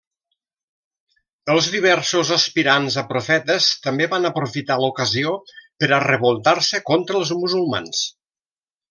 Els diversos aspirants a profetes també van aprofitar l'ocasió per a revoltar-se contra els musulmans.